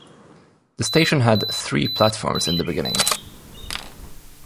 The station had three platforms in the beginning.